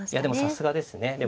でもさすがですね。